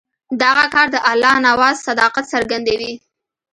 دغه کار د الله نواز صداقت څرګندوي.